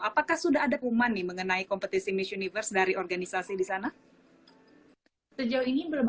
apakah sudah ada kuman nih mengenai kompetisi miss universe dari organisasi di sana sejauh ini belum